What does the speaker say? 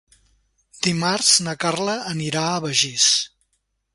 Dimarts na Carla anirà a Begís.